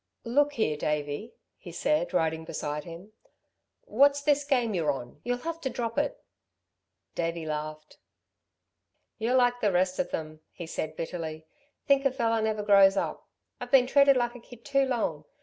"Look here, Davey," he said, riding beside him, "what's this game you're on? You'll have to drop it." Davey laughed. "You're like the rest of them," he said bitterly. "Think a fellow never grows up! I've been treated like a kid too long.